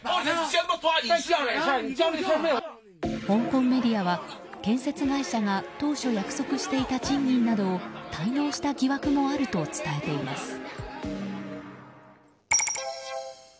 香港メディアは建設会社が当初約束していた賃金などを滞納した疑惑もあると伝えています。